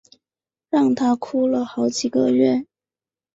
让她哭了好几个月